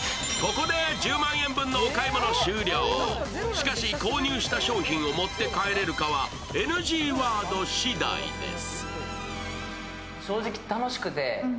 しかし購入した商品を持って帰れるかどうかはＮＧワード次第です。